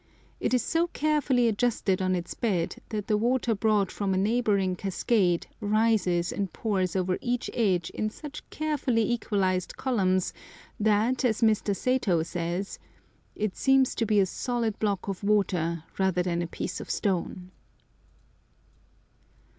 It is so carefully adjusted on its bed that the water brought from a neighbouring cascade rises and pours over each edge in such carefully equalised columns that, as Mr. Satow says, "it seems to be a solid block of water rather than a piece of stone."